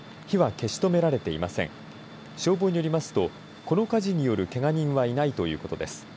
消防によりますとこの火事によるけが人はいないということです。